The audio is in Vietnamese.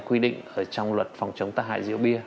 quy định ở trong luật phòng chống tắc hại rượu bia